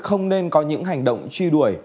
hoặc không nên có những hành động truy đuổi